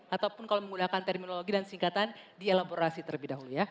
ataupun kalau menggunakan terminologi dan singkatan dielaborasi terlebih dahulu ya